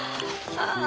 ああ。